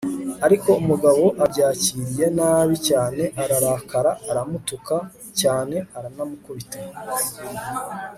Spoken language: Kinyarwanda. ariko umugabo abyakiriye nabi cyane, ararakara, aramutuka cyane aranamukubita